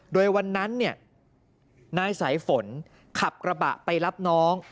โดยวันนั้นนายสายฝนขับกระบะไปรับน้อง